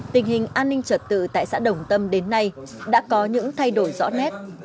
trật tự tại xã đồng tâm đến nay đã có những thay đổi rõ nét